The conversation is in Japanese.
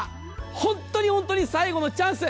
本当に本当に最後のチャンス